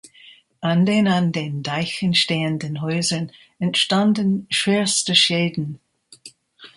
An den an den Deichen stehenden Häusern entstanden schwerste Schäden.